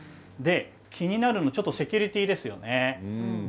気になるのはセキュリティーですよね。